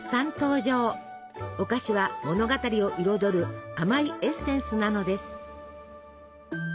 おかしは物語を彩る甘いエッセンスなのです。